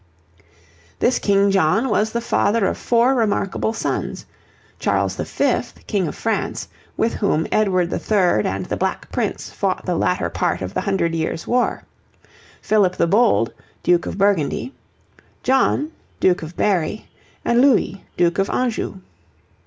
This King John was the father of four remarkable sons, Charles V., King of France, with whom Edward III. and the Black Prince fought the latter part of the Hundred Years' War; Philip the Bold, Duke of Burgundy; John, Duke of Berry; and Louis, Duke of Anjou.